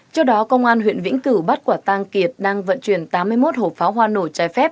trước đó công an huyện vĩnh cửu bắt quả tang kiệt đang vận chuyển tám mươi một hộp pháo hoa nổi trái phép